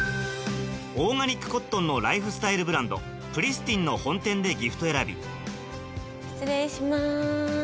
オーガニックコットンのライフスタイルブランドプリスティンの本店でギフト選び失礼します。